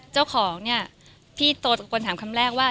เจ้าของเนี่ยพี่โตตะโกนถามคำแรกว่า